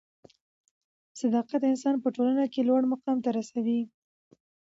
صدافت انسان په ټولنه کښي لوړ مقام ته رسوي.